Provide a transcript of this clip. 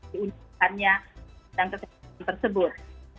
di undang undang kesehatan tersebut